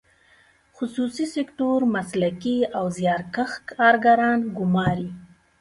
خصوصي سکتور مسلکي او زیارکښ کارګران ګماري.